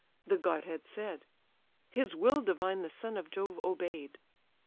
The godhead said; His will divine the son of Jove obey'd.